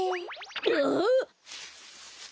あっ。